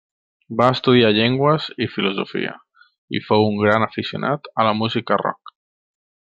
Va estudiar llengües i filosofia i fou un gran aficionat a la música rock.